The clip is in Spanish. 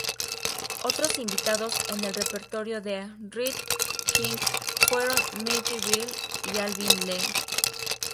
Otros invitados en el repertorio de Rhythm Kings fueron Maggie Bell y Alvin Lee.